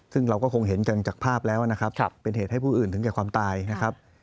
ซึ่งเราก็คงเห็นกันจากภาพแล้วนะครับเป็นเหตุให้ผู้อื่นถึงแก่ความตายนะครับ